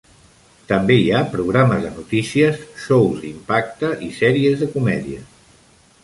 També hi ha programes de notícies, xous d'impacte i sèries de comèdia.